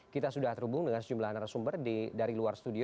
kita sudah terhubung dengan sejumlah narasumber dari luar studio